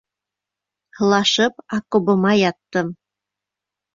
Һылашып окобыма яттым.